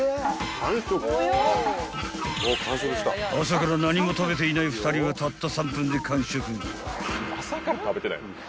［朝から何も食べていない２人はたった］